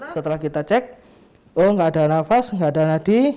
setelah kita cek oh nggak ada nafas nggak ada nadi